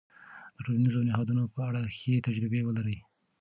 د ټولنيزو نهادونو په اړه ښې تجربې ولرئ.